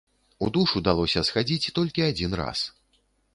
У душ удалося схадзіць толькі адзін раз.